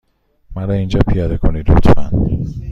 مرا اینجا پیاده کنید، لطفا.